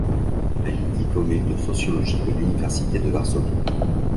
Elle est diplômée de sociologie de l'université de Varsovie.